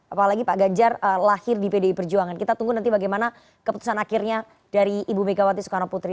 apalagi pak ganjar lahir di pdi perjuangan kita tunggu nanti bagaimana keputusan akhirnya dari ibu megawati soekarno putri